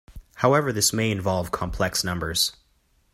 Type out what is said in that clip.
However, this may involve complex numbers.